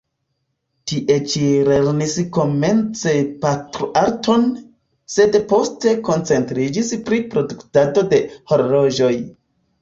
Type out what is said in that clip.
Tie ĉi lernis komence pentroarton, sed poste koncentriĝis pri produktado de horloĝoj.